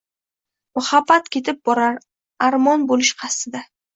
Muhabbat ketib borar, armon bo‘lish qasdida.